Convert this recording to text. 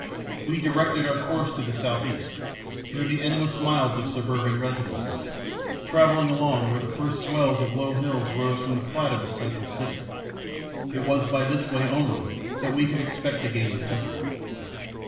We directed our course to the southeast through the endless miles of suburban residences, travelling along where the first swells of low hills rose from the flat of the central city. It was by this way, only, that we could expect to gain the country.